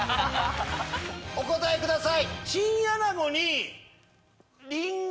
お答えください！